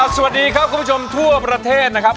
สวัสดีครับคุณผู้ชมทั่วประเทศนะครับ